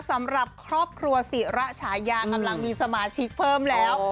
สำหรับครอบครัวศิระฉายากำลังมีสมาชิกเพิ่มแล้ว